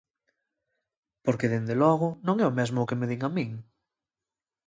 Porque, dende logo, non é o mesmo o que me din a min.